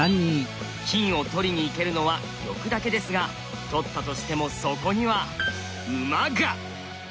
金を取りにいけるのは玉だけですが取ったとしてもそこには馬が！